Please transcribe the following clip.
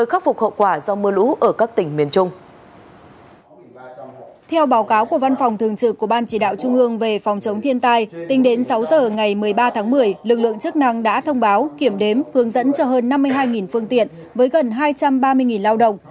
theo báo cáo của văn phòng thường trực của ban chỉ đạo trung ương về phòng chống thiên tai tính đến sáu giờ ngày một mươi ba tháng một mươi lực lượng chức năng đã thông báo kiểm đếm hướng dẫn cho hơn năm mươi hai phương tiện với gần hai trăm ba mươi lao động